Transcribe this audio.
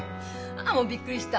あもうびっくりした！